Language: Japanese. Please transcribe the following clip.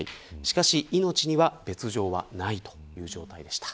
しかし命には別条はないという状態でした。